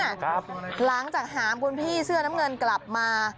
หลังจากหามคุณพี่เสื้อน้ำเงินกลับมา